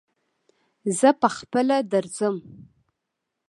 زه په خپله درځم